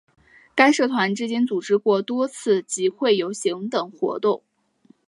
该社团至今组织过多次集会游行等活动。